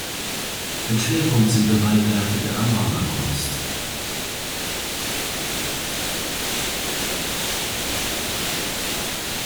Ein Schwerpunkt sind dabei Werke der Amarna-Kunst.